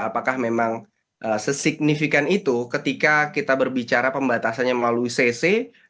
apakah memang sesignifikan itu ketika kita berbicara pembatasannya melalui cc